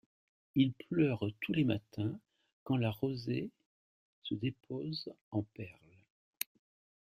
Il pleure tous les matins quand la rosée se dépose en perles.